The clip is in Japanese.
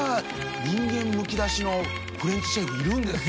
人間むき出しのフレンチシェフいるんですね。